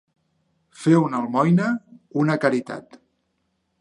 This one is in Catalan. Fer una almoina, una caritat.